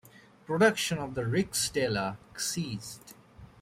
Production of the riksdaler ceased.